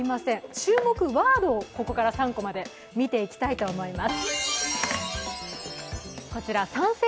注目ワードをここから３コマで見ていきたいと思います。